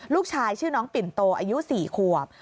ลูกชายชื่อน้องปิ่นโตอายุ๔ขวบ